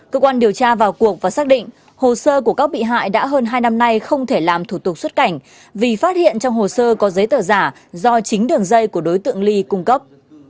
cơ quan điều tra vào cuộc và xác định hồ sơ của các bị hại đã hơn hai năm nay không thể làm thủ tục xuất cảnh vì phát hiện trong hồ sơ có giấy tờ giả do chính đường dây của đối tượng ly cung cấp